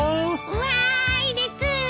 わいです。